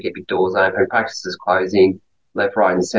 kegiatan dokter yang berada di bawah tekanan yang terus bertambah